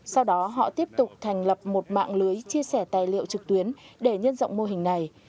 sau đó họ tiếp tục thành lập một mạng lưới chia sẻ tài liệu trực tuyến để nhân rộng mô hình này